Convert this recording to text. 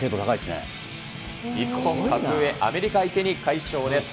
日本、格上アメリカ相手に快勝です。